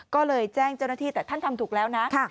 ก็เลยแจ้งเจ้าหน้าที่แต่ท่านทำถูกแล้วนะ